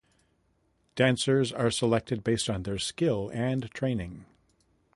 Dancers are selected based on their skill and training.